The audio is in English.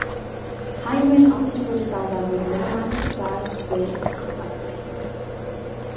Heinemann opted for a design that would minimize its size, weight, and complexity.